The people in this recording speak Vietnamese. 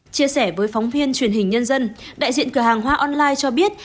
chia sẻ với phóng viên truyền hình nhân dân đại diện cửa hàng hoa online cho biết